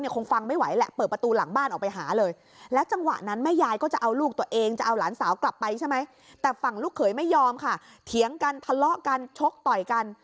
กับพี่เมียชกต่อยกับพี่เมียก่อนนะฮะ